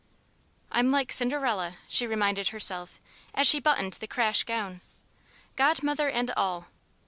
"I'm like Cinderella," she reminded herself as she buttoned the crash gown, "Godmother and all.